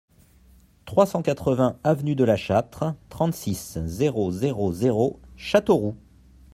trois cent quatre-vingts avenue de La Châtre, trente-six, zéro zéro zéro, Châteauroux